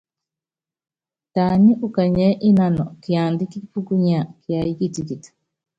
Taní ukanyiɛ́ ínanɔ kiandá kípúkunya kiáyí kitikiti.